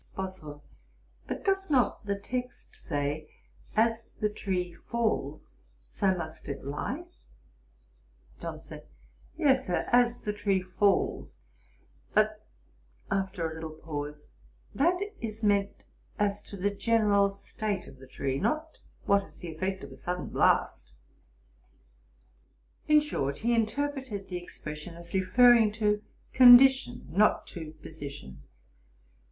"' BOSWELL. 'But does not the text say, "As the tree falls, so it must lie?"' JOHNSON. 'Yes, Sir; as the tree falls: but, (after a little pause) that is meant as to the general state of the tree, not what is the effect of a sudden blast.' In short, he interpreted the expression as referring to condition, not to position.